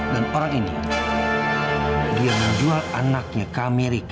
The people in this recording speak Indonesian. dan orang ini dia menjual anaknya ke amerika